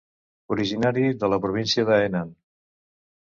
Originari de la província de Henan.